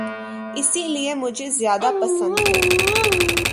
اسی لیے مجھے زیادہ پسند تھے۔